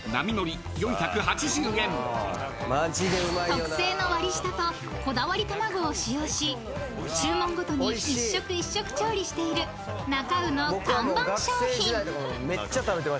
［特製の割り下とこだわり卵を使用し注文ごとに一食一食調理しているなか卯の看板商品］